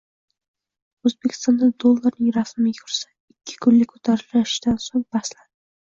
O‘zbekistonda dollarning rasmiy kursi ikki kunlik ko‘tarilishdan so‘ng pastladi